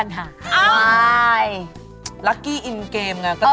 สวัสดีครับ